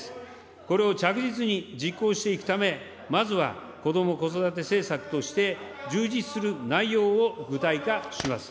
これを着実に実行していくため、まずはこども・子育て政策として充実する内容を具体化します。